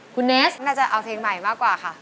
คุณเนสน่าจะเอาเพลงใหม่มากกว่าค่ะ